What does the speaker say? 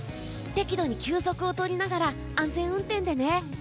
適度に休息をとりながら安全運転でね。